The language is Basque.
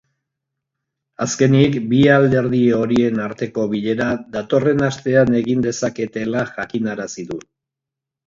Azkenik, bi alderdi horien arteko bilera datorren astean egin dezaketela jakinarazi du.